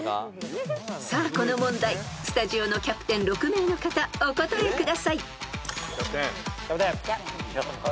［さあこの問題スタジオのキャプテン６名の方お答えください］